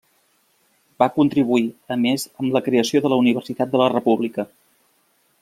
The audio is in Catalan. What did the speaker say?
Va contribuir a més amb la creació de la Universitat de la República.